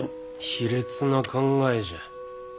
卑劣な考えじゃ。